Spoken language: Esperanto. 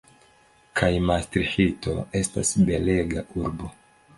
Kaj Mastriĥto estas belega urbo.